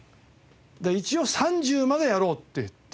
で一応「３０までやろう」って言って。